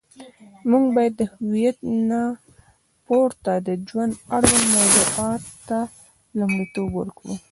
موږ باید د هویت نه پورته د ژوند اړوند موضوعاتو ته لومړیتوب ورکړو.